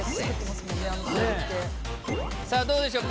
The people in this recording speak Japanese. さあどうでしょう？